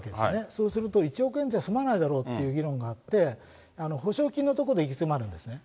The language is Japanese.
そうすると１億円じゃ済まないだろうという議論があって、補償金のところで行き詰るんですね。